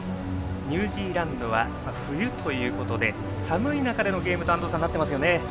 ニュージーランドは冬ということで寒い中でのゲームとなっています。